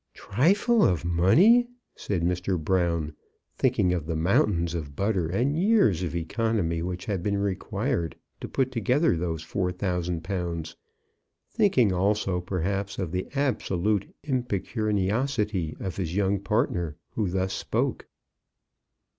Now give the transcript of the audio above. "Trifle of money!" said Mr. Brown, thinking of the mountains of butter and years of economy which had been required to put together those four thousand pounds; thinking also, perhaps, of the absolute impecuniosity of his young partner who thus spoke.